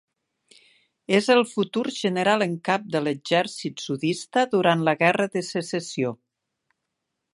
És el futur general en cap de l’exèrcit sudista durant la Guerra de Secessió.